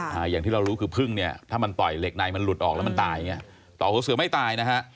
อย่างที่เรารู้คือพึ่งเนี่ยถ้ามันต่อยเหล็กในมันหลุดออกแล้วมันตายอย่างเงี้ต่อหัวเสือไม่ตายนะฮะ